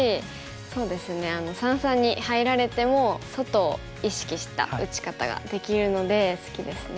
そうですね三々に入られても外を意識した打ち方ができるので好きですね。